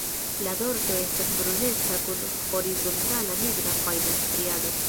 La dorso estas bruneca kun horizontala nigra fajna striado.